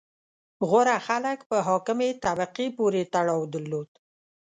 • غوره خلک په حاکمې طبقې پورې تړاو درلود.